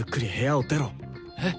えっ？